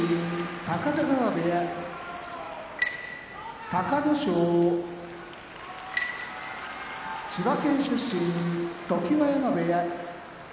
高田川部屋隆の勝千葉県出身常盤山部屋